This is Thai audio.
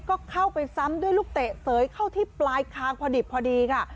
ก็เข้าไปซ้ำด้วยลูกเตะเสยเข้าที่ปลายคางพอดิบพอดีค่ะ